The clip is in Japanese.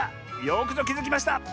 よくぞきづきました！